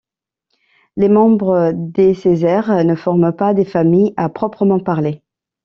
Les membres des ces aires ne forment pas des familles à proprement parler.